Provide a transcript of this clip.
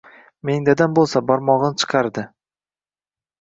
Mening dadam boʻlsa, barmogʻini chiqardi.